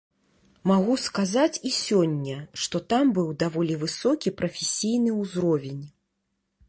Магу сказаць і сёння, што там быў даволі высокі прафесійны ўзровень.